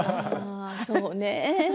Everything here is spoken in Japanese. そうね。